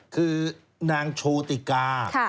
คือนางโชติกา